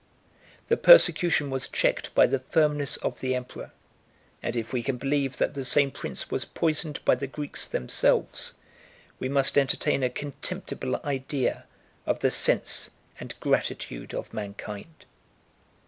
The persecution was checked by the firmness of the emperor: 34 and if we can believe that the same prince was poisoned by the Greeks themselves, we must entertain a contemptible idea of the sense and gratitude of mankind.